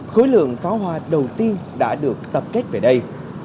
khối lượng pháo hoa đầu tiên đã được tập kết về đây